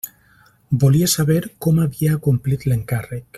Volia saber com havia acomplit l'encàrrec.